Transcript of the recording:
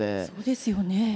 そうですよね。